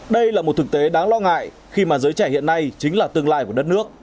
đây là một thực tế đáng lo ngại khi mà giới trẻ hiện nay chính là tương lai của đất nước